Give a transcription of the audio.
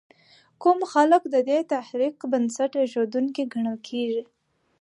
کوم خلک د دې تحریک بنسټ ایښودونکي ګڼل کېږي؟